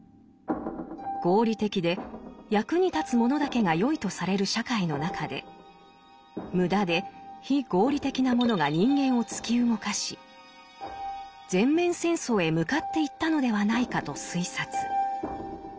合理的で役に立つものだけがよいとされる社会の中で無駄で非合理的なものが人間をつき動かし全面戦争へ向かっていったのではないかと推察。